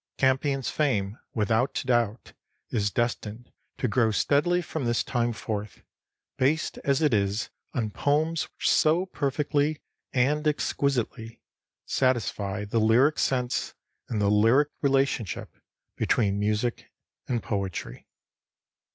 Campion's fame, without doubt, is destined to grow steadily from this time forth, based as it is on poems which so perfectly and exquisitely satisfy the lyric sense and the lyric relationship between music and poetry.